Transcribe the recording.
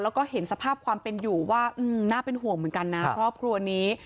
แล้วก็เห็นสภาพความเป็นอยู่ว่าน่าเป็นห่วงเหมือนกันนะครอบครัวนี้